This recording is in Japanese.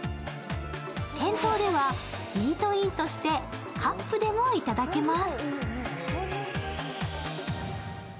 店頭では、イートインとしてカップでも頂けます。